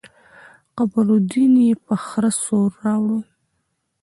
قمرالدين يې په خره سور راوړو.